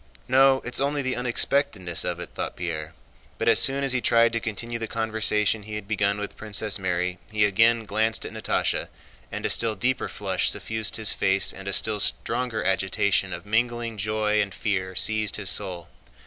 "No, it's only the unexpectedness of it," thought Pierre. But as soon as he tried to continue the conversation he had begun with Princess Mary he again glanced at Natásha, and a still deeper flush suffused his face and a still stronger agitation of mingled joy and fear seized his soul.